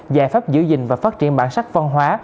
giải pháp giữ gìn và phát triển bản sắc văn hóa